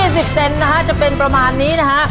๒๐เซนต์นะคะจะเป็นประมาณนี้นะคะ